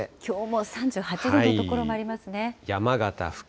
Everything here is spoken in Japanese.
きょうも３８度の所もありま